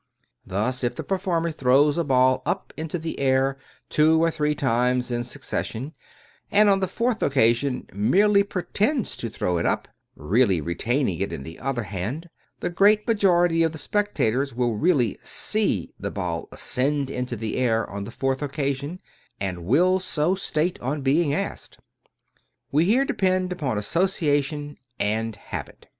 Thus, if the performer throws a ball up into the air two or three times in succes sion, and on the fourth occasion merely pretends to throw it up, really retaining it in the other hand, the great majority of the spectators will really " see the ball ascend into the air on the fourth occasion, and will so state, on being asked. We here depend upon association and habit.